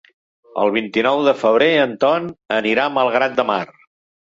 El vint-i-nou de febrer en Ton anirà a Malgrat de Mar.